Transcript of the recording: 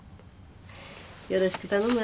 よろしく頼むわね。